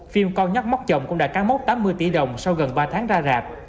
phim con nhóc móc chồng cũng đã căn mốc tám mươi tỷ đồng sau gần ba tháng ra rạp